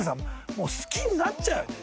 もう好きになっちゃうよね？